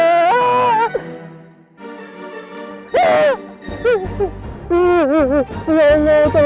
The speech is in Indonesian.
ya allah salamnya allah